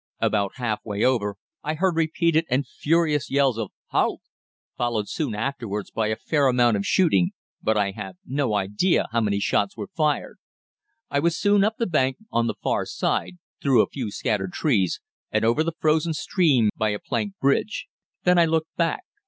About half way over I heard repeated and furious yells of "Halt!" followed soon afterwards by a fair amount of shooting, but I have no idea how many shots were fired. I was soon up the bank on the far side, through a few scattered trees, and over the frozen stream by a plank bridge. Then I looked back.